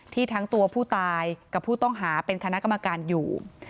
ทั้งตัวผู้ตายกับผู้ต้องหาเป็นคณะกรรมการอยู่